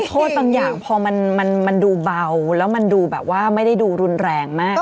โทษบางอย่างพอมันดูเบาแล้วมันดูแบบว่าไม่ได้ดูรุนแรงมาก